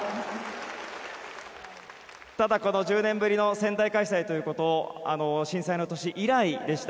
ただ、この１０年ぶりの仙台開催ということ震災の年以来でした。